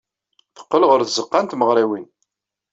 Teqqel ɣer tzeɣɣa n tmeɣriwin.